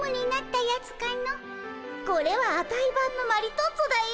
これはアタイばんのマリトッツォだよ。